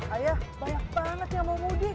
ayah banyak banget yang mau mudik